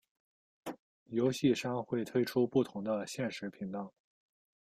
游戏商会推出不同的限时频道。